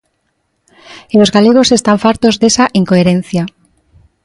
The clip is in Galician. E os galegos están fartos desa incoherencia.